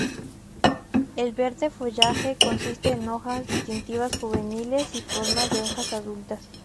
El verde follaje consiste en hojas distintivas juveniles y formas de hojas adultas.